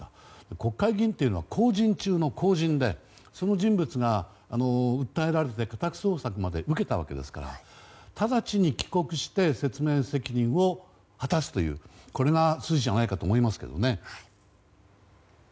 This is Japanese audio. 国会議員というのは公人中の公人でその人物が訴えられて家宅捜索まで受けたわけですから直ちに帰国して説明責任を果たすことがこれが筋じゃないかと思いますけどね。